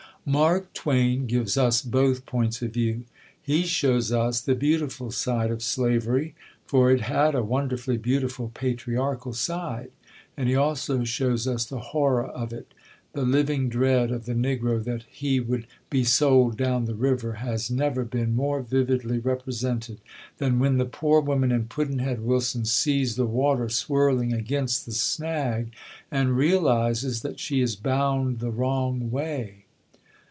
Mark Twain gives us both points of view; he shows us the beautiful side of slavery, for it had a wonderfully beautiful, patriarchal side, and he also shows us the horror of it. The living dread of the Negro that he would be sold down the river, has never been more vividly represented than when the poor woman in Pudd'nhead Wilson sees the water swirling against the snag, and realises that she is bound the wrong way.